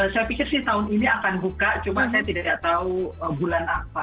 saya pikir sih tahun ini akan buka cuma saya tidak tahu bulan apa